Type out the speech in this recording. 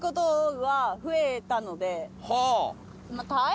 はい！